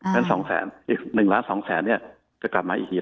เป็น๒แสน๑๒ล้านก็กลับมาอีกที